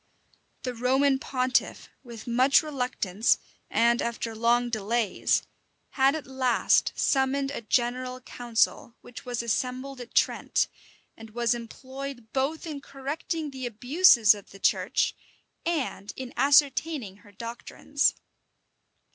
The Roman pontiff, with much reluctance, and after long delays, had at last summoned a general council, which was assembled at Trent, and was employed both in correcting the abuses of the church, and in ascertaining her doctrines.